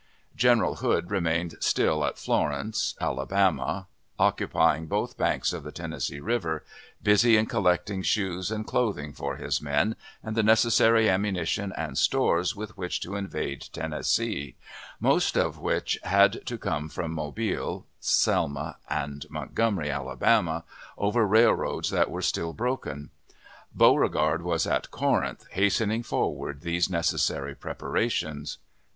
General Hood remained still at Florence, Alabama, occupying both banks of the Tennessee River, busy in collecting shoes and clothing for his men, and the necessary ammunition and stores with which to invade Tennessee, most of which had to come from Mobile, Selma, and Montgomery, Alabama, over railroads that were still broken. Beauregard was at Corinth, hastening forward these necessary preparations.